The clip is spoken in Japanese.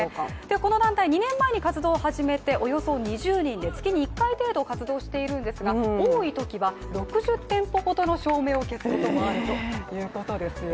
この団体、２年前に活動を始めておよそ２０人で月に１回程度活動しているんですが多いときは６０店舗ほどの照明を消すときもあるそうですよ。